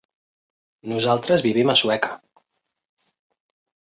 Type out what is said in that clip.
Nosaltres vivim a Sueca.